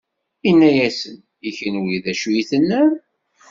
Inna-asen: I kenwi, d acu i tennam?